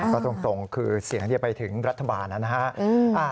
ก็ตรงคือเสียงเนี่ยไปถึงรัฐบาลนะนะฮะ